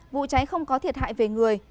vụ cháy không có thiệt hại về người